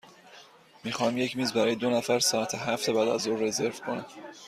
می خواهم یک میز برای دو نفر ساعت هفت بعدازظهر رزرو کنم.